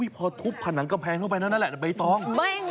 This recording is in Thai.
พอทุบผนังกำแพงเข้าไปเท่านั้นแหละใบตอง